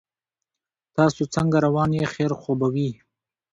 تاسو څنګه روان یې خیر خو به وي